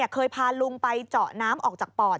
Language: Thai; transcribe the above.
เคยพาลุงไปเจาะน้ำออกจากปอด